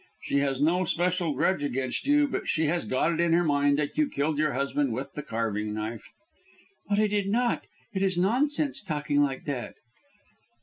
She has no special grudge against you, but she has got it into her mind that you killed your husband with the carving knife." "But I did not. It is nonsense talking like that!"